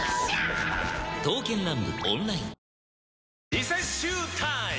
リセッシュータイム！